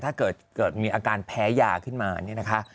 ถ้าเกิดมีอาการแพ้ยาขึ้นมาเนี่ยนะคะ